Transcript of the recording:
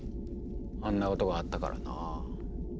あんなことがあったからなぁ。